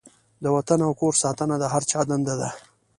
د وطن او کور ساتنه د هر چا دنده ده.